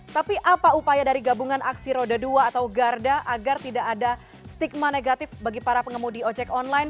tapi apa upaya dari gabungan aksi roda dua atau garda agar tidak ada stigma negatif bagi para pengemudi ojek online